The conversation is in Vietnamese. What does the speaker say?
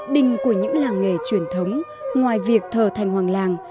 đình của những làng nghề truyền thống ngoài việc thờ thành hoàng làng